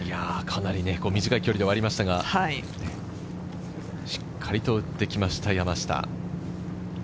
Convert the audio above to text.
短い距離ではありましたが、しっかりと打ってきました、山下。